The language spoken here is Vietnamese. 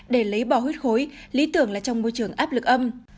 để lấy bò huyết khối lý tưởng là trong môi trường áp lực âm